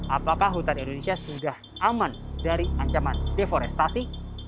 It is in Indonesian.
apakah hutan indonesia sudah aman dari ancaman deforestasi